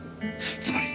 つまり！